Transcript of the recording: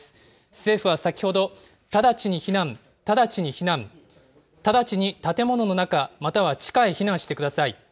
政府は先ほど、直ちに避難、直ちに避難、直ちに建物の中、または地下へ避難してください。